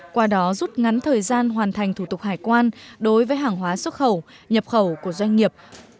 qua đó rút ngắn thời gian hoàn thành thủ tục hải quan đối với hàng hóa xuất khẩu nhập khẩu của doanh nghiệp